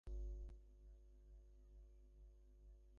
যে দিয়েছে তার নাম রহমত মিয়া।